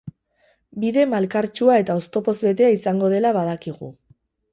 Bide malkartsua eta oztopoz betea izango dela badakigu.